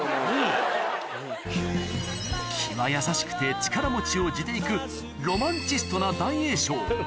気は優しくて力持ちを地で行くロマンチストな大栄翔